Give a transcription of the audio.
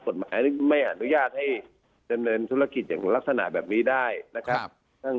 กฎหมายไม่อนุญาตให้ดำเนินธุรกิจอย่างลักษณะแบบนี้ได้นะครับ